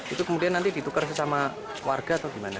itu kemudian nanti ditukar sesama warga atau gimana